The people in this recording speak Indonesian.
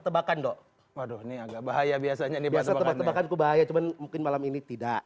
tebakan dok waduh nih agak bahaya biasanya dibaca tebakanku bahaya cuman mungkin malam ini tidak